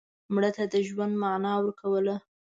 مړه ته د ژوند معنا ورکوله